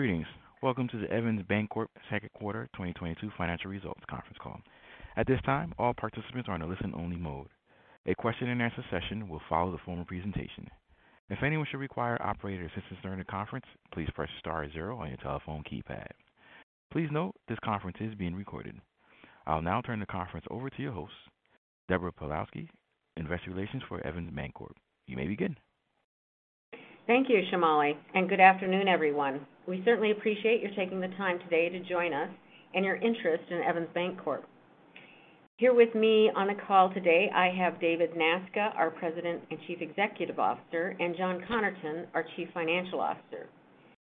Greetings. Welcome to the Evans Bancorp Second Quarter 2022 financial results conference call. At this time, all participants are in a listen-only mode. A question and answer session will follow the formal presentation. If anyone should require operator assistance during the conference, please press star zero on your telephone keypad. Please note this conference is being recorded. I'll now turn the conference over to your host, Deborah Pawlowski, Investor Relations for Evans Bancorp. You may begin. Thank you, Shamali, and good afternoon, everyone. We certainly appreciate you taking the time today to join us and your interest in Evans Bancorp. Here with me on the call today, I have David Nasca, our President and Chief Executive Officer, and John Connerton, our Chief Financial Officer.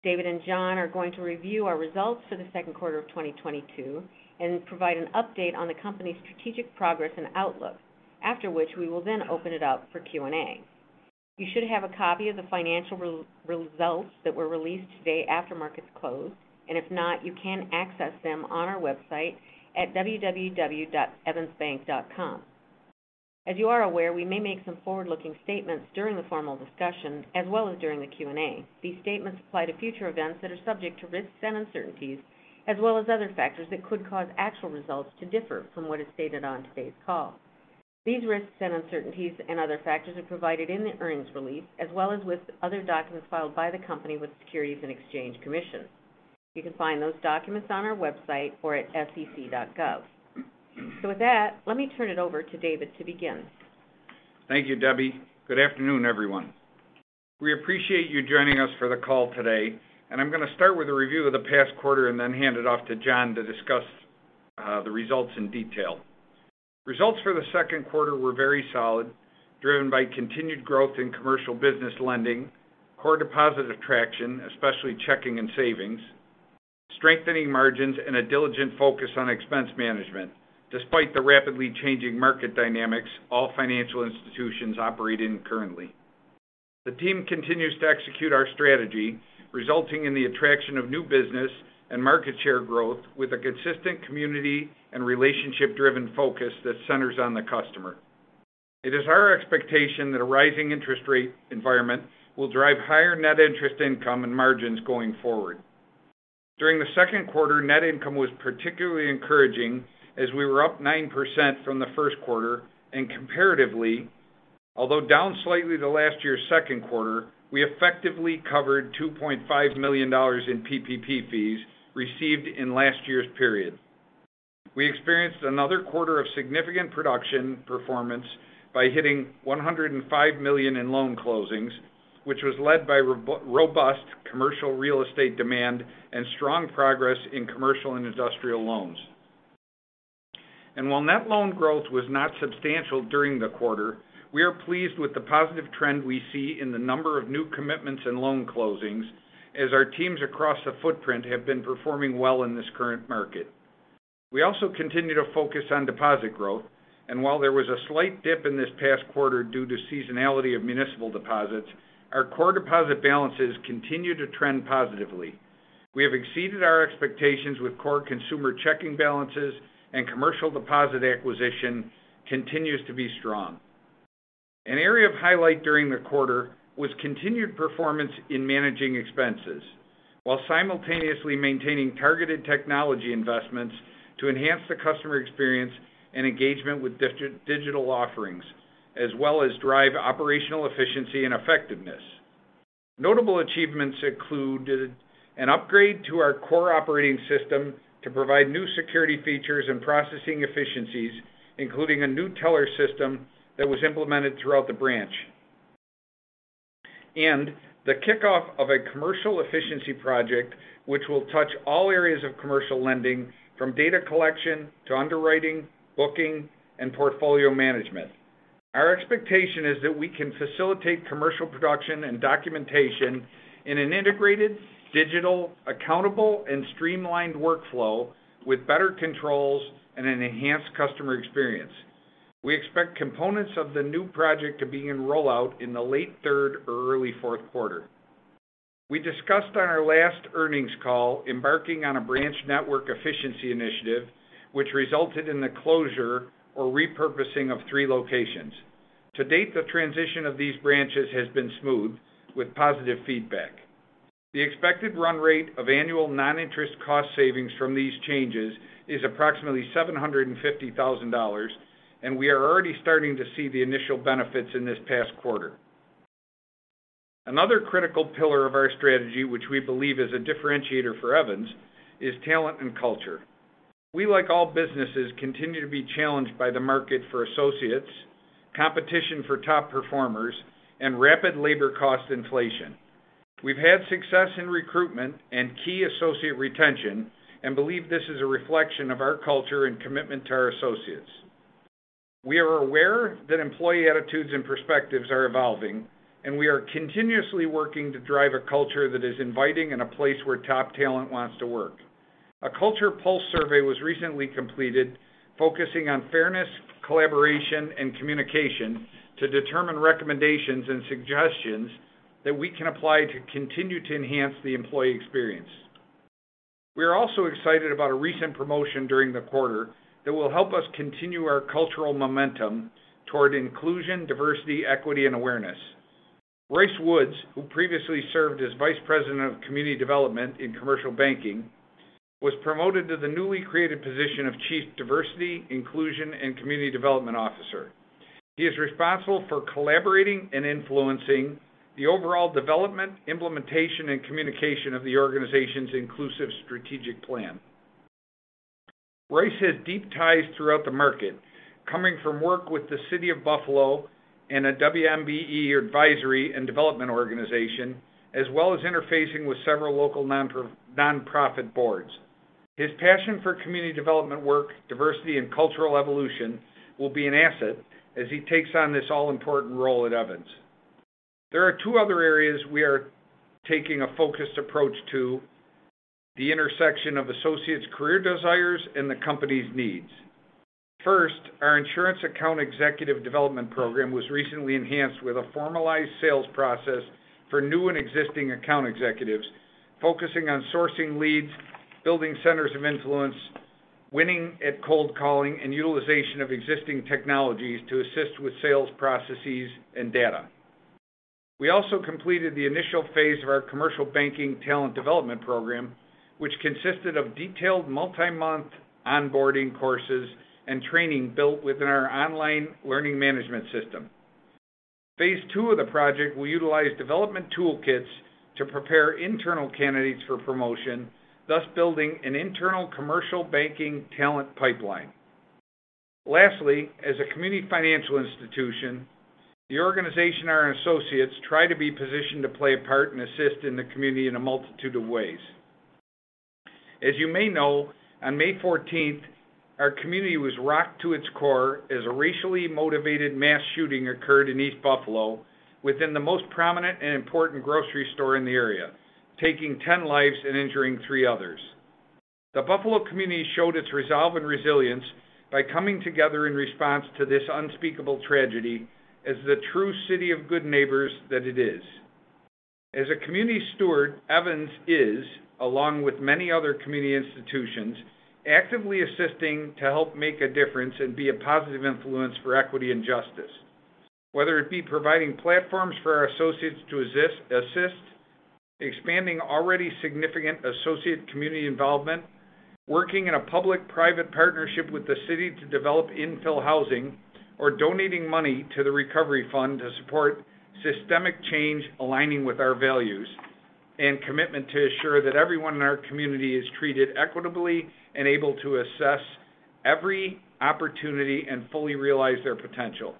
David and John are going to review our results for the second quarter of 2022 and provide an update on the company's strategic progress and outlook. After which, we will then open it up for Q&A. You should have a copy of the financial results that were released today after markets closed, and if not, you can access them on our website at www.evansbank.com. As you are aware, we may make some forward-looking statements during the formal discussion as well as during the Q&A. These statements apply to future events that are subject to risks and uncertainties, as well as other factors that could cause actual results to differ from what is stated on today's call. These risks and uncertainties and other factors are provided in the earnings release, as well as with other documents filed by the company with Securities and Exchange Commission. You can find those documents on our website or at SEC.gov. With that, let me turn it over to David to begin. Thank you, Debbie. Good afternoon, everyone. We appreciate you joining us for the call today, and I'm gonna start with a review of the past quarter and then hand it off to John to discuss the results in detail. Results for the second quarter were very solid, driven by continued growth in commercial business lending, core deposit attraction, especially checking and savings, strengthening margins, and a diligent focus on expense management despite the rapidly changing market dynamics all financial institutions operate in currently. The team continues to execute our strategy, resulting in the attraction of new business and market share growth with a consistent community and relationship-driven focus that centers on the customer. It is our expectation that a rising interest rate environment will drive higher net interest income and margins going forward. During the second quarter, net income was particularly encouraging as we were up 9% from the first quarter, and comparatively, although down slightly to last year's second quarter, we effectively covered $2.5 million in PPP fees received in last year's period. We experienced another quarter of significant production performance by hitting $105 million in loan closings, which was led by robust commercial real estate demand and strong progress in commercial and industrial loans. While net loan growth was not substantial during the quarter, we are pleased with the positive trend we see in the number of new commitments in loan closings as our teams across the footprint have been performing well in this current market. We also continue to focus on deposit growth, and while there was a slight dip in this past quarter due to seasonality of municipal deposits, our core deposit balances continue to trend positively. We have exceeded our expectations with core consumer checking balances, and commercial deposit acquisition continues to be strong. An area of highlight during the quarter was continued performance in managing expenses while simultaneously maintaining targeted technology investments to enhance the customer experience and engagement with digital offerings, as well as drive operational efficiency and effectiveness. Notable achievements included an upgrade to our core operating system to provide new security features and processing efficiencies, including a new teller system that was implemented throughout the branch. The kickoff of a commercial efficiency project, which will touch all areas of commercial lending from data collection to underwriting, booking, and portfolio management. Our expectation is that we can facilitate commercial production and documentation in an integrated, digital, accountable, and streamlined workflow with better controls and an enhanced customer experience. We expect components of the new project to be in rollout in the late third or early fourth quarter. We discussed on our last earnings call embarking on a branch network efficiency initiative, which resulted in the closure or repurposing of three locations. To date, the transition of these branches has been smooth with positive feedback. The expected run rate of annual non-interest cost savings from these changes is approximately $750,000, and we are already starting to see the initial benefits in this past quarter. Another critical pillar of our strategy, which we believe is a differentiator for Evans, is talent and culture. We, like all businesses, continue to be challenged by the market for associates, competition for top performers, and rapid labor cost inflation. We've had success in recruitment and key associate retention and believe this is a reflection of our culture and commitment to our associates. We are aware that employee attitudes and perspectives are evolving, and we are continuously working to drive a culture that is inviting and a place where top talent wants to work. A culture pulse survey was recently completed focusing on fairness, collaboration, and communication to determine recommendations and suggestions that we can apply to continue to enhance the employee experience. We are also excited about a recent promotion during the quarter that will help us continue our cultural momentum toward inclusion, diversity, equity, and awareness. Royce Woods, who previously served as Vice President of Community Development in Commercial Banking, was promoted to the newly created position of Chief Diversity, Inclusion, and Community Development Officer. He is responsible for collaborating and influencing the overall development, implementation, and communication of the organization's inclusive strategic plan. Royce has deep ties throughout the market, coming from work with the City of Buffalo and a MWBE advisory and development organization, as well as interfacing with several local nonprofit boards. His passion for community development work, diversity, and cultural evolution will be an asset as he takes on this all-important role at Evans. There are two other areas we are taking a focused approach to the intersection of associates' career desires and the company's needs. First, our insurance account executive development program was recently enhanced with a formalized sales process for new and existing account executives, focusing on sourcing leads, building centers of influence, winning at cold calling, and utilization of existing technologies to assist with sales processes and data. We also completed the initial phase of our commercial banking talent development program, which consisted of detailed multi-month onboarding courses and training built within our online learning management system. Phase II of the project will utilize development toolkits to prepare internal candidates for promotion, thus building an internal commercial banking talent pipeline. Lastly, as a community financial institution, the organization and our associates try to be positioned to play a part and assist in the community in a multitude of ways. As you may know, on May 14, 2022 our community was rocked to its core as a racially motivated mass shooting occurred in East Buffalo within the most prominent and important grocery store in the area, taking 10 lives and injuring three others. The Buffalo community showed its resolve and resilience by coming together in response to this unspeakable tragedy as the true city of good neighbors that it is. As a community steward, Evans is, along with many other community institutions, actively assisting to help make a difference and be a positive influence for equity and justice, whether it be providing platforms for our associates to assist, expanding already significant associate community involvement, working in a public-private partnership with the city to develop infill housing, or donating money to the recovery fund to support systemic change aligning with our values and commitment to ensure that everyone in our community is treated equitably and able to assess every opportunity and fully realize their potential.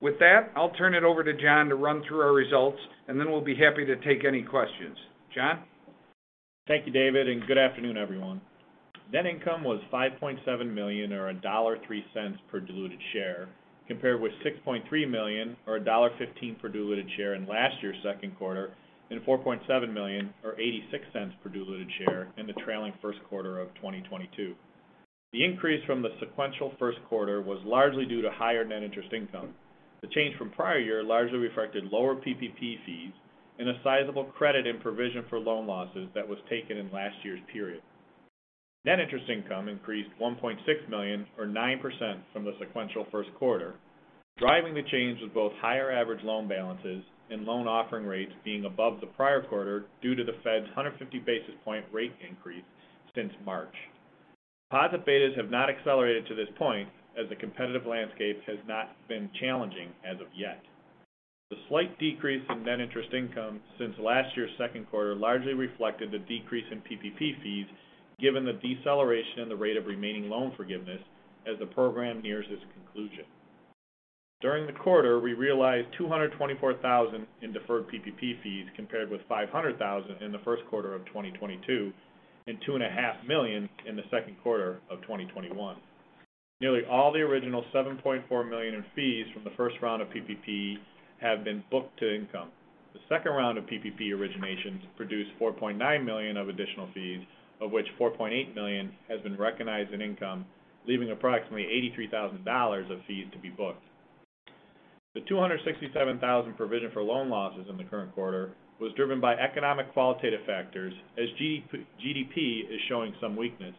With that, I'll turn it over to John to run through our results, and then we'll be happy to take any questions. John? Thank you, David, and good afternoon, everyone. Net income was $5.7 million or $1.03 per diluted share, compared with $6.3 million or $1.15 per diluted share in last year's second quarter and $4.7 million or $0.86 per diluted share in the trailing first quarter of 2022. The increase from the sequential first quarter was largely due to higher net interest income. The change from prior year largely reflected lower PPP fees and a sizable credit in provision for loan losses that was taken in last year's period. Net interest income increased $1.6 million or 9% from the sequential first quarter. Driving the change was both higher average loan balances and loan offering rates being above the prior quarter due to the Fed's 150 basis point rate increase since March. Deposit betas have not accelerated to this point as the competitive landscape has not been challenging as of yet. The slight decrease in net interest income since last year's second quarter largely reflected the decrease in PPP fees given the deceleration in the rate of remaining loan forgiveness as the program nears its conclusion. During the quarter, we realized $224,000 in deferred PPP fees, compared with $500,000 in the first quarter of 2022 and $2.5 million in the second quarter of 2021. Nearly all the original $7.4 million in fees from the first round of PPP have been booked to income. The second round of PPP originations produced $4.9 million of additional fees, of which $4 million has been recognized in income, leaving approximately $83,000 of fees to be booked. The $267,000 provision for loan losses in the current quarter was driven by economic qualitative factors as GDP is showing some weakness.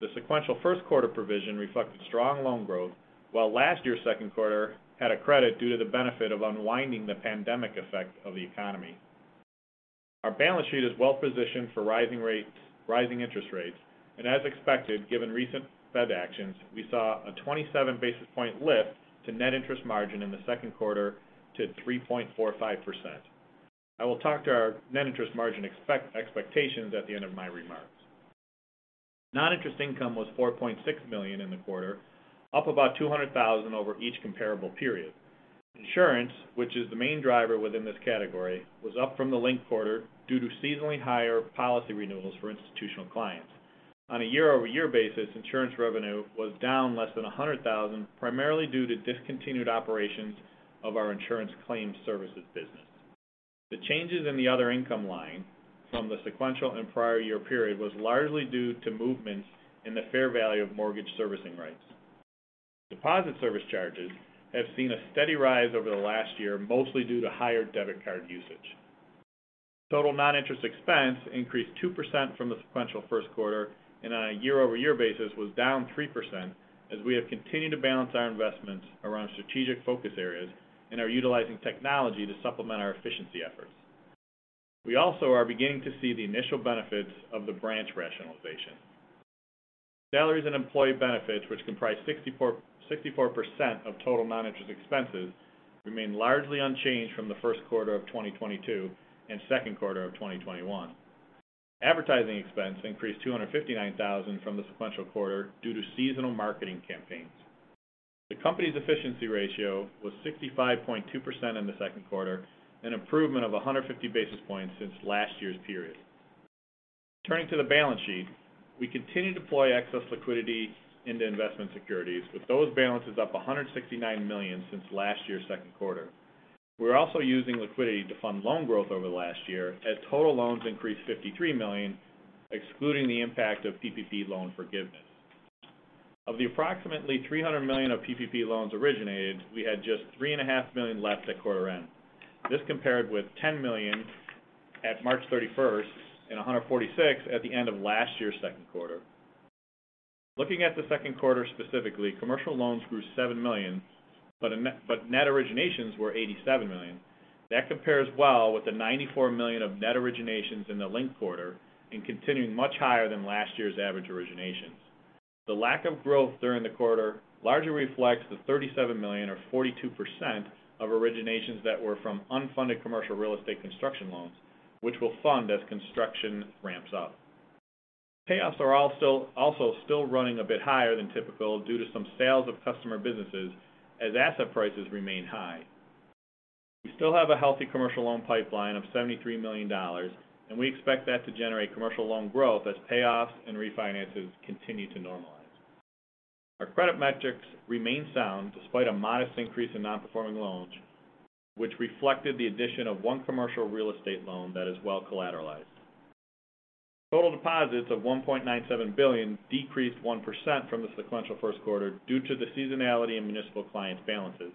The sequential first quarter provision reflected strong loan growth, while last year's second quarter had a credit due to the benefit of unwinding the pandemic effect of the economy. Our balance sheet is well-positioned for rising interest rates. As expected, given recent Fed actions, we saw a 27 basis points lift to net interest margin in the second quarter to 3.45%. I will talk to our net interest margin expectations at the end of my remarks. Non-interest income was $4.6 million in the quarter, up about $200,000 over each comparable period. Insurance, which is the main driver within this category, was up from the linked quarter due to seasonally higher policy renewals for institutional clients. On a year-over-year basis, insurance revenue was down less than $100,000, primarily due to discontinued operations of our insurance claims services business. The changes in the other income line from the sequential and prior year period was largely due to movements in the fair value of mortgage servicing rights. Deposit service charges have seen a steady rise over the last year, mostly due to higher debit card usage. Total noninterest expense increased 2% from the sequential first quarter and on a year-over-year basis was down 3% as we have continued to balance our investments around strategic focus areas and are utilizing technology to supplement our efficiency efforts. We also are beginning to see the initial benefits of the branch rationalization. Salaries and employee benefits, which comprise 64% of total non-interest expenses, remain largely unchanged from the first quarter of 2022 and second quarter of 2021. Advertising expense increased $259,000 from the sequential quarter due to seasonal marketing campaigns. The company's efficiency ratio was 65.2% in the second quarter, an improvement of 150 basis points since last year's period. Turning to the balance sheet, we continue to deploy excess liquidity into investment securities, with those balances up $169 million since last year's second quarter. We're also using liquidity to fund loan growth over the last year as total loans increased $53 million, excluding the impact of PPP loan forgiveness. Of the approximately $300 million of PPP loans originated, we had just $3.5 million left at quarter end. This compared with $10 million at March 31 and $146 million at the end of last year's second quarter. Looking at the second quarter specifically, commercial loans grew $7 million, but net originations were $87 million. That compares well with the $94 million of net originations in the linked quarter and continuing much higher than last year's average originations. The lack of growth during the quarter largely reflects the $37 million or 42% of originations that were from unfunded commercial real estate construction loans, which we'll fund as construction ramps up. Payoffs are also still running a bit higher than typical due to some sales of customer businesses as asset prices remain high. We still have a healthy commercial loan pipeline of $73 million, and we expect that to generate commercial loan growth as payoffs and refinances continue to normalize. Our credit metrics remain sound despite a modest increase in non-performing loans, which reflected the addition of one commercial real estate loan that is well collateralized. Total deposits of $1.97 billion decreased 1% from the sequential first quarter due to the seasonality in municipal clients balances.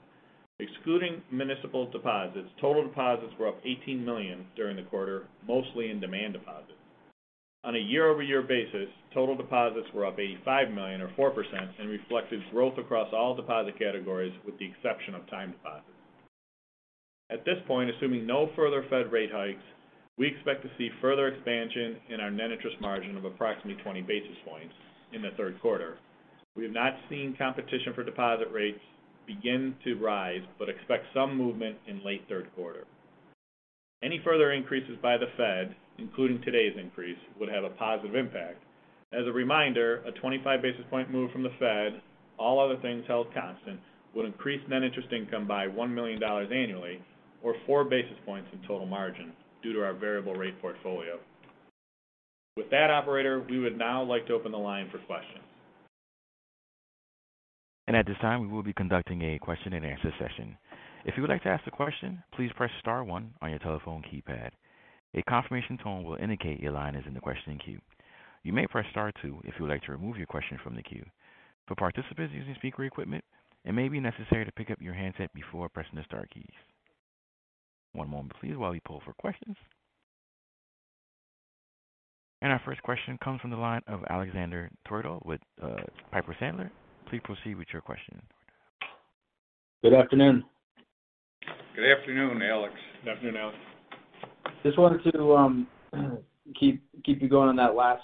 Excluding municipal deposits, total deposits were up $18 million during the quarter, mostly in demand deposits. On a year-over-year basis, total deposits were up $85 million or 4% and reflected growth across all deposit categories with the exception of time deposits. At this point, assuming no further Fed rate hikes, we expect to see further expansion in our net interest margin of approximately 20 basis points in the third quarter. We have not seen competition for deposit rates begin to rise, but expect some movement in late third quarter. Any further increases by the Fed, including today's increase, would have a positive impact. As a reminder, a 25 basis points move from the Fed, all other things held constant, would increase net interest income by $1 million annually or 4 basis points in total margin due to our variable rate portfolio. With that, operator, we would now like to open the line for questions. At this time, we will be conducting a question and answer session. If you would like to ask a question, please press star one on your telephone keypad. A confirmation tone will indicate your line is in the questioning queue. You may press star two if you would like to remove your question from the queue. For participants using speaker equipment, it may be necessary to pick up your handset before pressing the star keys. One moment please while we pull for questions. Our first question comes from the line of Alexander Twerdahl with Piper Sandler. Please proceed with your question. Good afternoon. Good afternoon, Alex. Good afternoon, Alex. Just wanted to keep you going on that last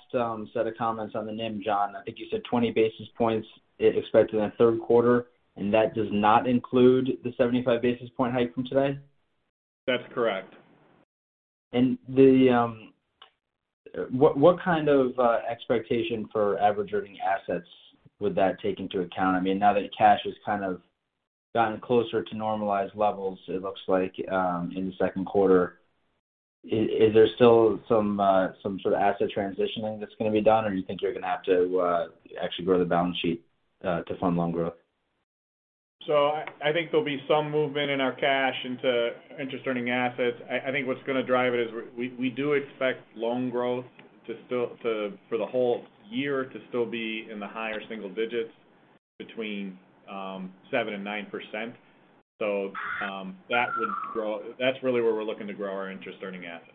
set of comments on the NIM, John. I think you said 20 basis points expected in the third quarter, and that does not include the 75 basis point hike from today? That's correct. What kind of expectation for average earning assets would that take into account? I mean, now that cash has kind of gotten closer to normalized levels, it looks like in the second quarter, is there still some sort of asset transitioning that's gonna be done or you think you're gonna have to actually grow the balance sheet to fund loan growth? I think there'll be some movement in our cash into interest-earning assets. I think what's gonna drive it is we do expect loan growth for the whole year to still be in the higher single digits between 7 and 9%. That's really where we're looking to grow our interest-earning assets.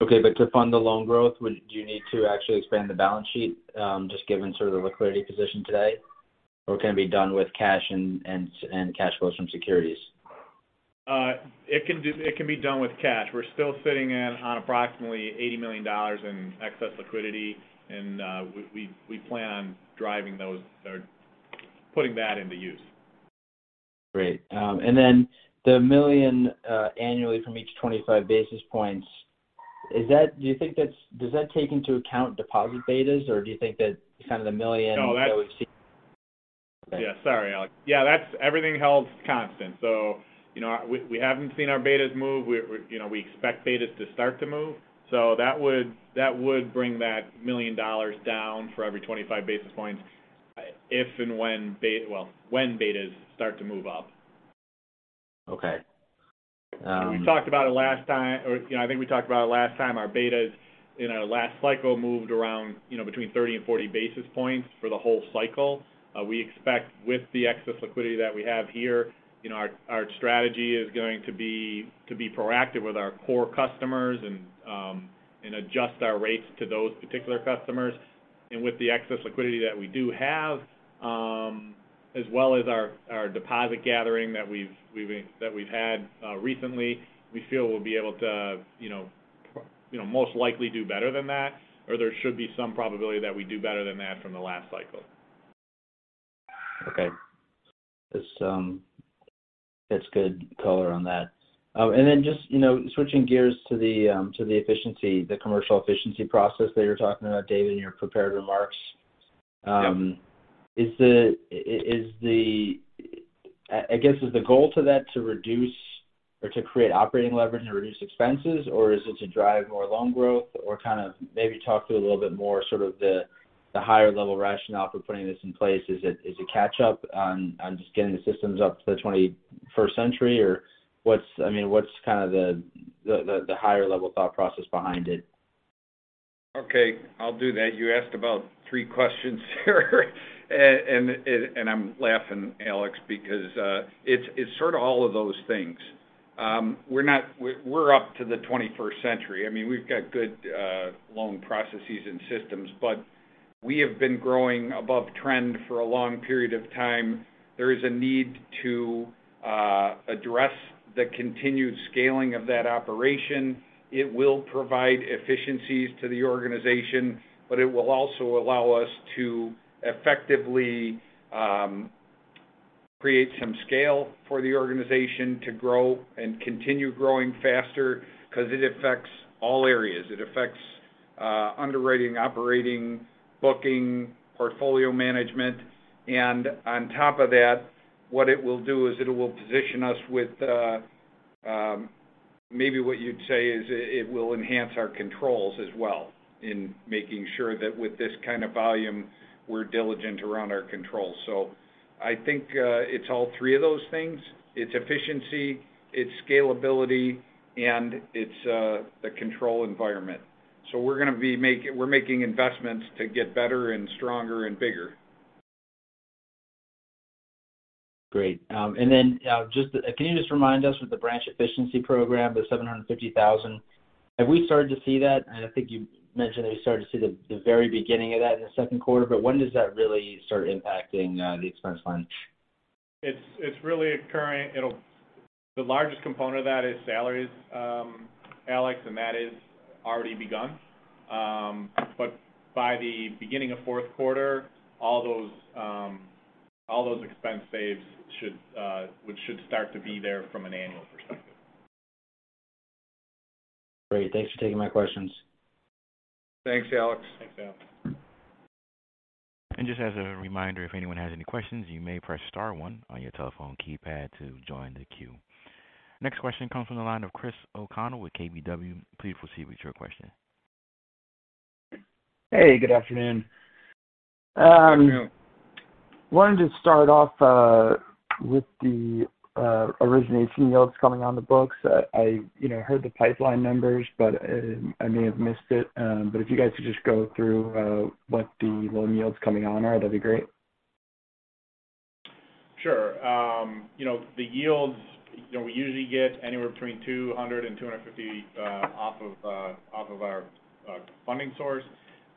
Okay. To fund the loan growth, do you need to actually expand the balance sheet, just given sort of the liquidity position today? Or can it be done with cash and cash flows from securities? It can be done with cash. We're still sitting on approximately $80 million in excess liquidity, and we plan on driving those or putting that into use. Great. The $1 million annually from each 25 basis points, does that take into account deposit betas? Do you think that kind of the $1 million that we see- No, that's. Okay. Yeah. Sorry, Alex. Yeah, that's everything held constant. You know, we haven't seen our betas move. You know, we expect betas to start to move. That would bring that $1 million down for every 25 basis points if and when betas start to move up. Okay. We talked about it last time, or, you know, I think we talked about it last time. Our betas in our last cycle moved around, you know, between 30 and 40 basis points for the whole cycle. We expect with the excess liquidity that we have here, you know, our strategy is going to be to be proactive with our core customers and adjust our rates to those particular customers. With the excess liquidity that we do have, as well as our deposit gathering that we've had recently, we feel we'll be able to, you know, most likely do better than that, or there should be some probability that we do better than that from the last cycle. Okay. That's good color on that. And then just, you know, switching gears to the efficiency, the commercial efficiency process that you're talking about, Dave, in your prepared remarks. Yep. I guess, is the goal of that to reduce or to create operating leverage and reduce expenses, or is it to drive more loan growth? Kind of maybe talk through a little bit more sort of the higher level rationale for putting this in place. Is it to catch up on just getting the systems up to the twenty-first century? I mean, what's kind of the higher level thought process behind it? Okay, I'll do that. You asked about three questions here. I'm laughing, Alex, because it's sort of all of those things. We're up to the 21st century. I mean, we've got good loan processes and systems, but we have been growing above trend for a long period of time. There is a need to address the continued scaling of that operation. It will provide efficiencies to the organization, but it will also allow us to effectively create some scale for the organization to grow and continue growing faster because it affects all areas. It affects underwriting, operating, booking, portfolio management. On top of that, what it will do is it will position us with the, maybe what you'd say is it will enhance our controls as well in making sure that with this kind of volume, we're diligent around our controls. I think, it's all three of those things. It's efficiency, it's scalability, and it's, the control environment. We're making investments to get better and stronger and bigger. Great. Can you just remind us with the branch efficiency program, the $750,000, have we started to see that? I think you mentioned that we started to see the very beginning of that in the second quarter, but when does that really start impacting the expense line? It's really occurring. The largest component of that is salaries, Alex, and that is already begun. By the beginning of fourth quarter, all those expense saves should, which should start to be there from an annual perspective. Great. Thanks for taking my questions. Thanks, Alex. Thanks, Alex. Just as a reminder, if anyone has any questions, you may press star one on your telephone keypad to join the queue. Next question comes from the line of Christopher O'Connell with KBW. Please proceed with your question. Hey, good afternoon. Good afternoon. Wanted to start off with the origination yields coming on the books. I, you know, heard the pipeline numbers, but I may have missed it. If you guys could just go through what the loan yields coming on are, that'd be great. Sure. You know, the yields, you know, we usually get anywhere between 200 and 250 off of our funding source,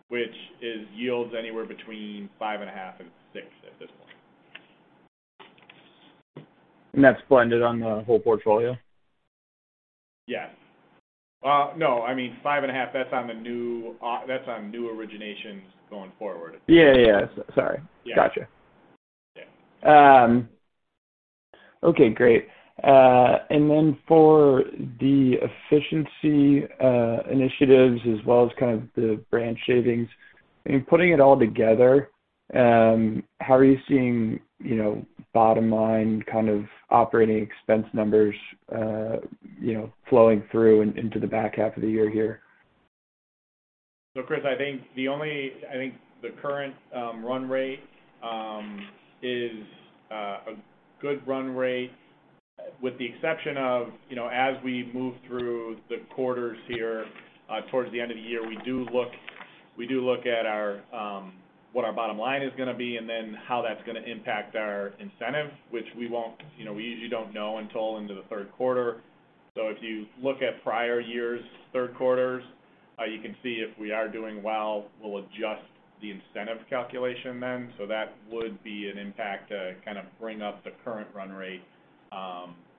which is yields anywhere between 5.5 and 6 at this point. That's blended on the whole portfolio? Yes. No, I mean, 5.5, that's on new originations going forward. Yeah, yeah. Sorry. Yeah. Gotcha. Yeah. Okay, great. For the efficiency initiatives as well as kind of the branch savings, I mean, putting it all together, how are you seeing, you know, bottom line kind of operating expense numbers, you know, flowing through into the back half of the year here? Chris, I think the current run rate is a good run rate with the exception of, you know, as we move through the quarters here, towards the end of the year, we do look at our what our bottom line is gonna be and then how that's gonna impact our incentive, which we won't, you know, we usually don't know until into the third quarter. If you look at prior years' third quarters, you can see if we are doing well, we'll adjust the incentive calculation then. That would be an impact to kind of bring up the current run rate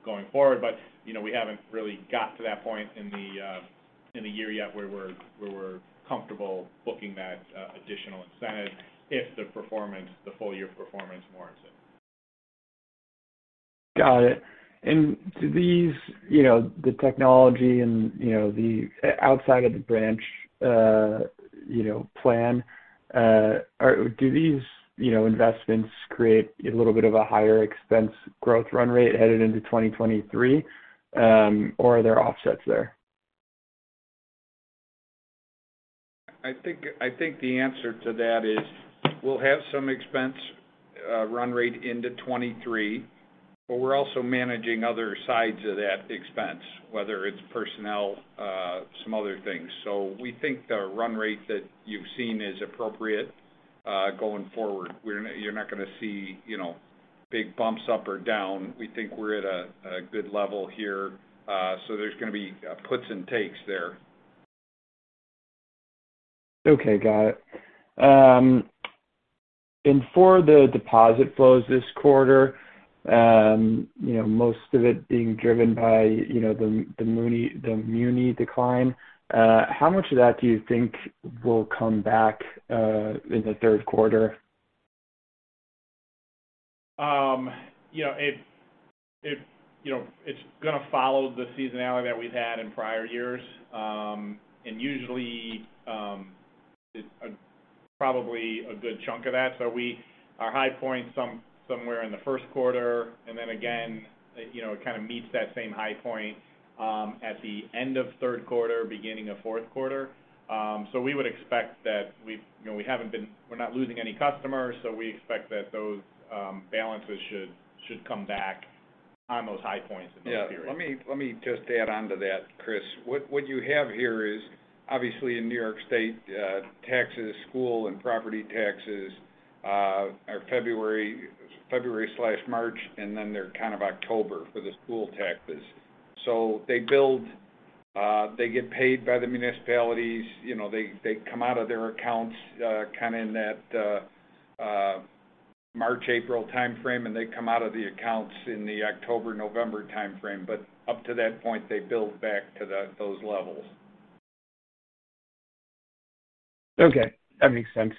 going forward. You know, we haven't really got to that point in the year yet where we're comfortable booking that additional incentive if the performance, the full year performance warrants it. Got it. Do these, you know, investments create a little bit of a higher expense growth run rate headed into 2023, or are there offsets there? I think the answer to that is we'll have some expense run rate into 2023, but we're also managing other sides of that expense, whether it's personnel, some other things. We think the run rate that you've seen is appropriate going forward. You're not gonna see, you know, big bumps up or down. We think we're at a good level here. There's gonna be puts and takes there. Okay. Got it. For the deposit flows this quarter, you know, most of it being driven by, you know, the muni decline, how much of that do you think will come back in the third quarter? You know, it's gonna follow the seasonality that we've had in prior years. Usually, it's probably a good chunk of that. Our high point somewhere in the first quarter, and then again, you know, it kind of meets that same high point at the end of third quarter, beginning of fourth quarter. We would expect that. You know, we're not losing any customers, so we expect that those balances should come back on those high points in those periods. Yeah. Let me just add on to that, Chris. What you have here is obviously in New York State, taxes, school and property taxes, are February/March, and then they're kind of October for the school taxes. So they build. They get paid by the municipalities. You know, they come out of their accounts, kind of in that March, April timeframe, and they come out of the accounts in the October, November timeframe. But up to that point, they build back to those levels. Okay. That makes sense.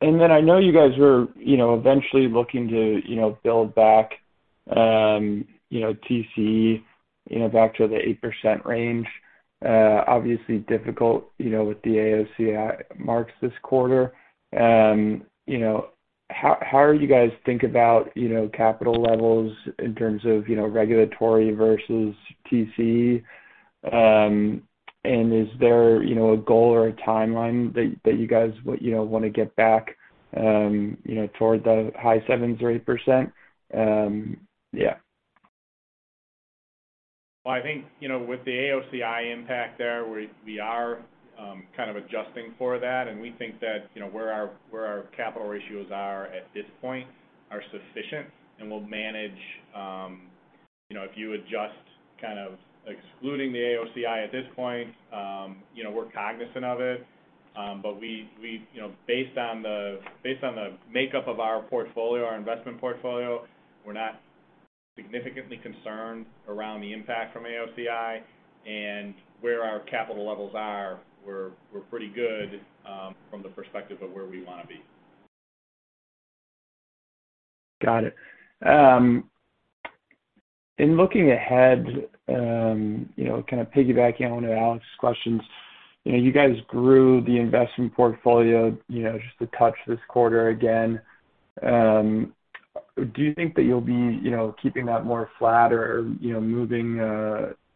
Then I know you guys were, you know, eventually looking to, you know, build back, you know, TCE, you know, back to the 8% range. Obviously difficult, you know, with the AOCI marks this quarter. You know, how are you guys think about, you know, capital levels in terms of, you know, regulatory versus TCE? Is there, you know, a goal or a timeline that you guys wanna get back, you know, towards the high sevens or 8%? Yeah. Well, I think, you know, with the AOCI impact there, we are kind of adjusting for that. We think that, you know, where our capital ratios are at this point are sufficient and will manage, you know, if you adjust kind of excluding the AOCI at this point, you know, we're cognizant of it. We, you know, based on the makeup of our portfolio, our investment portfolio, we're not significantly concerned around the impact from AOCI and where our capital levels are. We're pretty good from the perspective of where we wanna be. Got it. In looking ahead, you know, kind of piggybacking on Alex's questions, you know, you guys grew the investment portfolio, you know, just a touch this quarter again. Do you think that you'll be, you know, keeping that more flat or, you know, moving,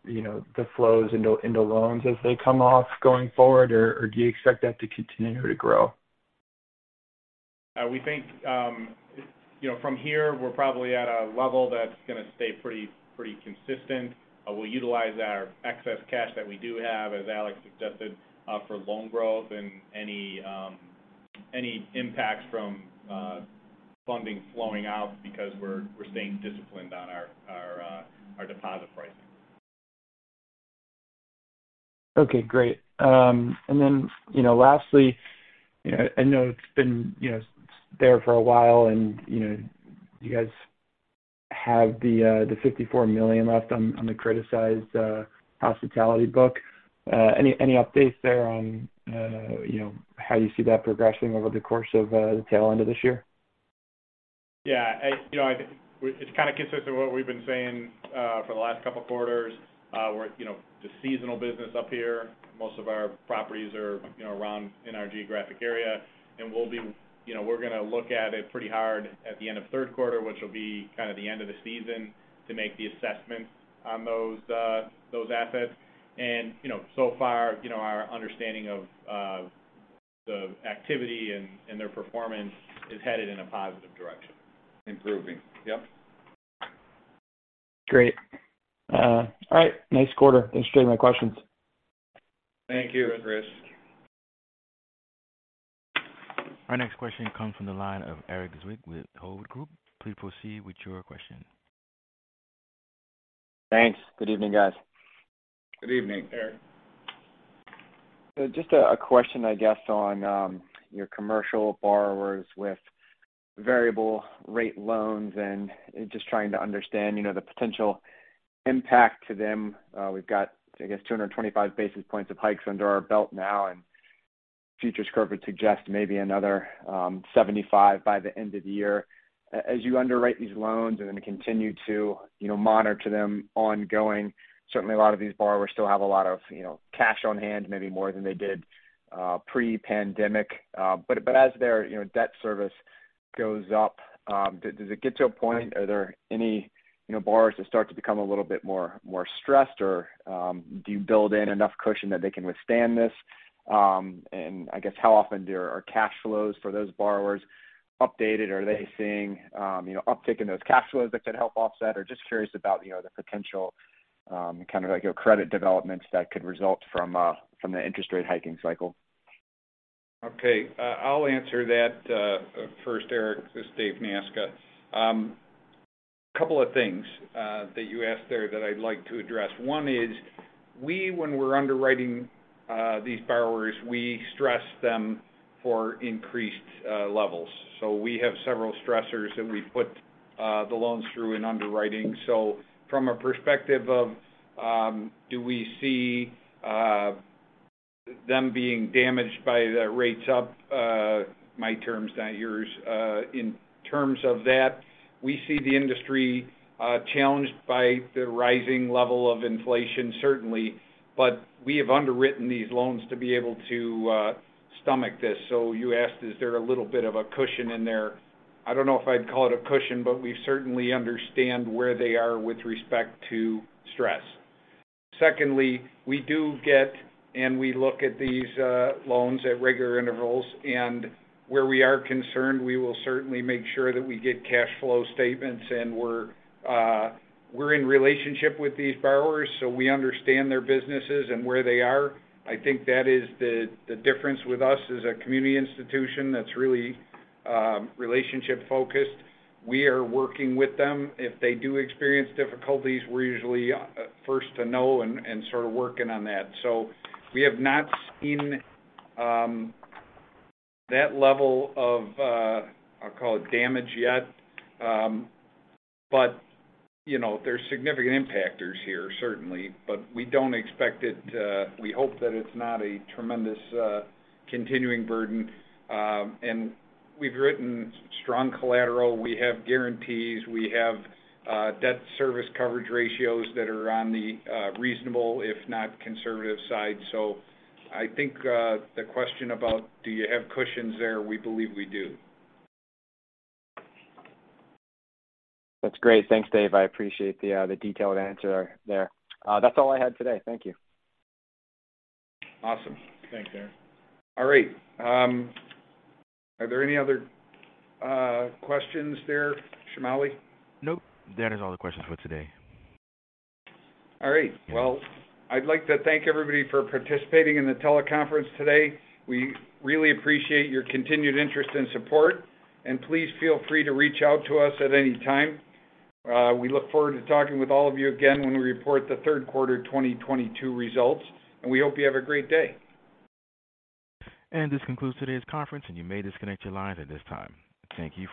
you know, the flows into loans as they come off going forward, or do you expect that to continue to grow? We think, you know, from here we're probably at a level that's gonna stay pretty consistent. We'll utilize our excess cash that we do have, as Alex suggested, for loan growth and any impacts from funding flowing out because we're staying disciplined on our deposit pricing. Okay. Great. You know, lastly, you know, I know it's been, you know, there for a while and, you know, you guys have the $54 million left on the criticized hospitality book. Any updates there on, you know, how you see that progressing over the course of the tail end of this year? Yeah. You know, I think it kind of consists of what we've been saying for the last couple of quarters. We're, you know, the seasonal business up here. Most of our properties are, you know, around in our geographic area. We're gonna look at it pretty hard at the end of third quarter, which will be kind of the end of the season to make the assessments on those assets. You know, so far, our understanding of the activity and their performance is headed in a positive direction. Improving. Yep. Great. All right. Nice quarter. That's really my questions. Thank you. Thanks. Chris. Our next question comes from the line of Erik Zwick with Hovde Group. Please proceed with your question. Thanks. Good evening, guys. Good evening, Erik. Just a question I guess on your commercial borrowers with variable rate loans and just trying to understand, you know, the potential impact to them. We've got, I guess, 225 basis points of hikes under our belt now and futures curve would suggest maybe another 75 by the end of the year. As you underwrite these loans and then continue to, you know, monitor them ongoing, certainly a lot of these borrowers still have a lot of, you know, cash on hand, maybe more than they did pre-pandemic. But as their, you know, debt service goes up, does it get to a point? Are there any, you know, borrowers that start to become a little bit more stressed or do you build in enough cushion that they can withstand this? I guess how often there are cash flows for those borrowers updated? Are they seeing, you know, uptick in those cash flows that could help offset? Just curious about, you know, the potential, kind of like, you know, credit developments that could result from the interest rate hiking cycle. Okay. I'll answer that first, Erik. This is Dave Nasca. Couple of things that you asked there that I'd like to address. One is we when we're underwriting these borrowers, we stress them for increased levels. We have several stressors that we put the loans through in underwriting. From a perspective of do we see them being damaged by the rates up, my terms, not yours. In terms of that, we see the industry challenged by the rising level of inflation, certainly. We have underwritten these loans to be able to stomach this. You asked, is there a little bit of a cushion in there? I don't know if I'd call it a cushion, but we certainly understand where they are with respect to stress. Secondly, we do get, and we look at these loans at regular intervals. Where we are concerned, we will certainly make sure that we get cash flow statements and we're in relationship with these borrowers, so we understand their businesses and where they are. I think that is the difference with us as a community institution that's really relationship-focused. We are working with them. If they do experience difficulties, we're usually first to know and sort of working on that. We have not seen that level of, I'll call it damage yet. You know, there's significant impacts here certainly. We don't expect it to. We hope that it's not a tremendous continuing burden. We've written strong collateral. We have guarantees. We have debt service coverage ratios that are on the reasonable, if not conservative side. I think the question about do you have cushions there, we believe we do. That's great. Thanks, Dave. I appreciate the detailed answer there. That's all I had today. Thank you. Awesome. Thanks, Erik. All right. Are there any other questions there, Shamali? Nope. That is all the questions for today. All right. Well, I'd like to thank everybody for participating in the teleconference today. We really appreciate your continued interest and support, and please feel free to reach out to us at any time. We look forward to talking with all of you again when we report the third quarter 2022 results, and we hope you have a great day. This concludes today's conference, and you may disconnect your lines at this time. Thank you for your participation.